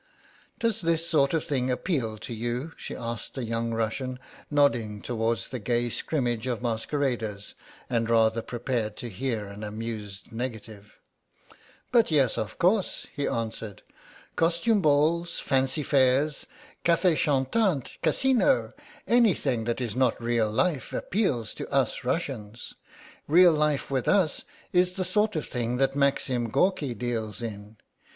"Does this sort of thing appeal to you?" she asked the young Russian, nodding towards the gay scrimmage of masqueraders and rather prepared to hear an amused negative." "But yes, of course," he answered; "costume balls, fancy fairs, café chantant, casino, anything that is not real life appeals to us Russians. Real life with us is the sort of thing that Maxim Gorki deals in.